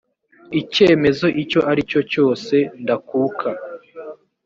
icyemezo icyo ari cyo cyose ndakuka